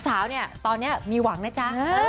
สาวเนี่ยตอนนี้มีหวังนะจ๊ะ